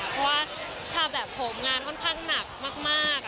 เพราะว่าชาแบบผมงานค่อนข้างหนักมาก